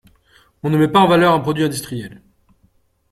On ne met pas en valeur un produit industriel.